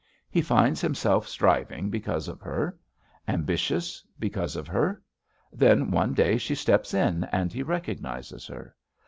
He finds himself striving because of her; ambi tious, because of her. Then one day she steps in and he recognizes her.